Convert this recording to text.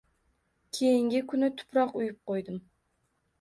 Keyingi kuni tuproq uyub qo‘ydim.